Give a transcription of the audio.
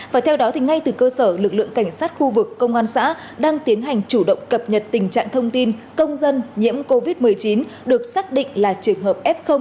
và theo đó thì ngay từ cơ sở lực lượng cảnh sát khu vực công an xã đang tiến hành chủ động cập nhật tình trạng thông tin công dân nhiễm covid một mươi chín được xác định là trường hợp f một